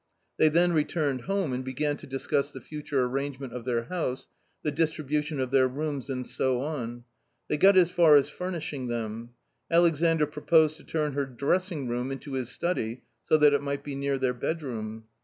They then returned home and began to discuss the future arrangement of their house, the distribution of their rooms, and so on. They got as far as furnishing them. Aiexandr proposed to turn her dressing room into his study so that it might be near their bedroom.